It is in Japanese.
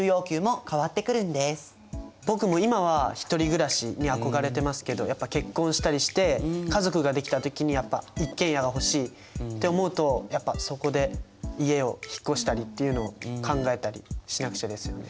僕も今は１人暮らしに憧れてますけどやっぱり結婚したりして家族ができた時に一軒家が欲しいって思うとそこで家を引っ越したりっていうのを考えたりしなくちゃですよね。